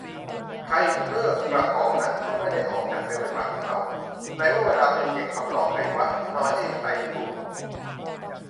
ไทเกอร์กระป๋องนั้นก็ไม่ได้ออกจากเซเว่นมากับเรา : ไหนว่าเวลาเป็นเพียงคำหลอกไงวะ หนอยไอ้ไตรภูมิ